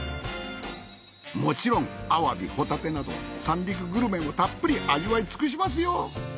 もちろんアワビホタテなど三陸グルメもたっぷり味わいつくしますよ